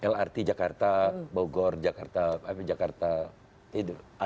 lrt jakarta bogor jakarta